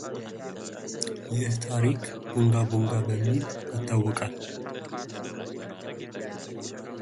ይህ በታሪክ ቡንጋ ቡንጋ በሚል ይታወቃል።